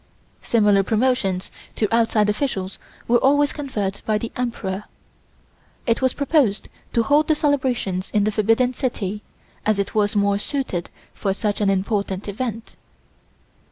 Similar promotions to outside officials were always conferred by the Emperor. It was proposed to hold the celebrations in the Forbidden City as it was more suited for such an important event.